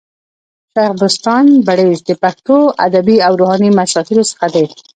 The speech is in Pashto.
شېخ بُستان بړیڅ د پښتو ادبي او روحاني مشاهيرو څخه دئ.